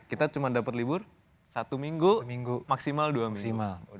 kita cuma dapat libur satu minggu minggu maksimal dua maksimal